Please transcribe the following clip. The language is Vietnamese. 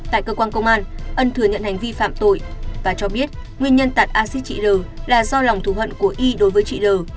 tại cơ quan công an ân thừa nhận hành vi phạm tội và cho biết nguyên nhân tạt axit chị l là do lòng thù hận của y đối với chị l